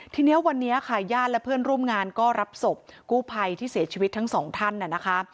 ทีนี้วันนี้ค่ะญาติและเพื่อนร่วมงานก็รับศพกู้ภัยที่เสียชีวิตทั้งสองท่านนะคะ